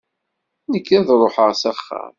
Nekk ad ruḥeɣ s axxam.